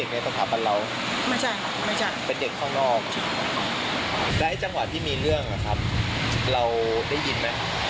มีการคุมโครงเก้าอี้ไหม